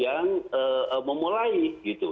yang memulai gitu